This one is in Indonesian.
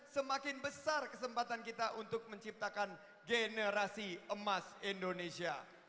semakin besar kesempatan kita untuk menciptakan generasi emas indonesia